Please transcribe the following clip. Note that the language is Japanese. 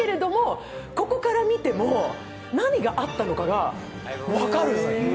ここから見ても、何かあったのかがわかるの。